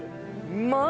うまい！